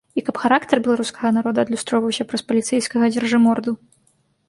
І каб характар беларускага народа адлюстроўваўся праз паліцэйскага дзяржыморду.